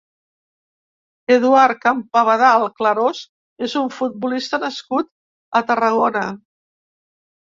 Eduard Campabadal Clarós és un futbolista nascut a Tarragona.